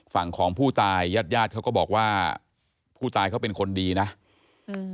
ฝั่งของผู้ตายญาติญาติเขาก็บอกว่าผู้ตายเขาเป็นคนดีนะอืม